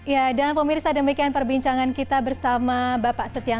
ya dan pemirsa demikian perbincangan kita bersama bapak setia novanto